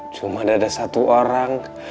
cuma ada satu orang